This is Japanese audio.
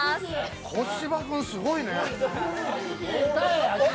小柴君、すごいね。